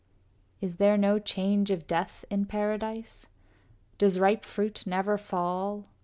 VI Is there no change of death in paradise? Does ripe fruit never fall?